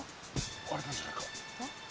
割れたんじゃないか。